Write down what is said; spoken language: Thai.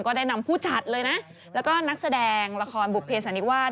ได้นำผู้จัดเลยนะแล้วก็นักแสดงละครบุภเพสันนิวาส